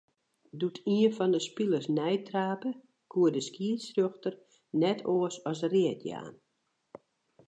Doe't ien fan 'e spilers neitrape, koe de skiedsrjochter net oars as read jaan.